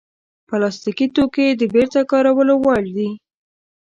پلاستيکي توکي د بېرته کارولو وړ دي.